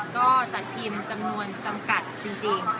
ก็จัดพิมพ์จำนวนจำกัดจริง